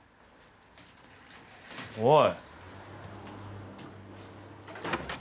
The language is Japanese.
おい。